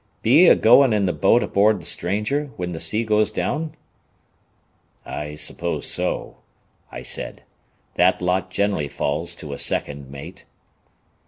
Be ye a goin' in th' boat aboard th' stranger whin th' sea goes down?" "I suppose so," I said; "that lot generally falls to a second mate."